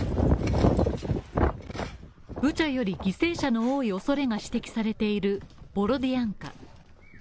ブチャより犠牲者の多いおそれが指摘されているボロディアンカ。